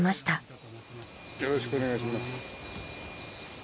よろしくお願いします。